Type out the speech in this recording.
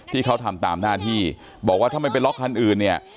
ที่เขาทำตามหน้าที่บอกว่าถ้าไม่ไปล็อกคันอื่นเนี่ย